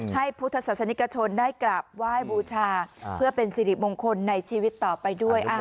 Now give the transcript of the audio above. พุทธศาสนิกชนได้กราบไหว้บูชาเพื่อเป็นสิริมงคลในชีวิตต่อไปด้วย